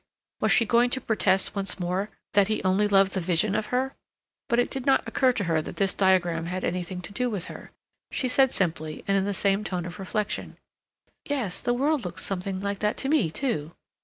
Was she going to protest once more that he only loved the vision of her? But it did not occur to her that this diagram had anything to do with her. She said simply, and in the same tone of reflection: "Yes, the world looks something like that to me too."